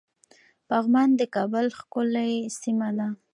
پغمان د کابل ښکلی سيمه ده